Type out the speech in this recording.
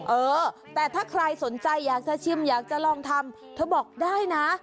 เออแต่ถ้าใครสนใจอยากจะชิมอยากจะลองทำเธอบอกได้นะ